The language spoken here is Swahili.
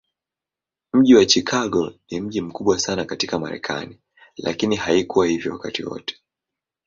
Mji wa Chicago ni mji mkubwa sana katika Marekani, lakini haikuwa hivyo wakati wote.